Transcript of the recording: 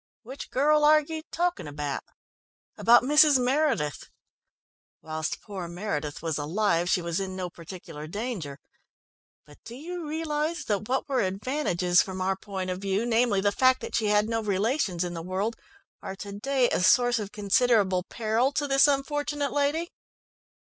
"Which girl are you talking about?" "About Mrs. Meredith. Whilst poor Meredith was alive she was in no particular danger. But do you realise that what were advantages from our point of view, namely, the fact that she had no relations in the world, are to day a source of considerable peril to this unfortunate lady?"